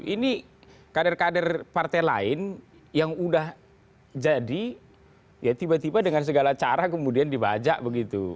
ini kader kader partai lain yang udah jadi ya tiba tiba dengan segala cara kemudian dibajak begitu